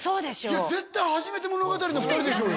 絶対初めて物語の２人でしょうよ